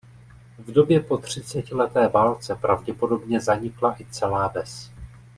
V době po třicetileté válce pravděpodobně zanikla i celá ves.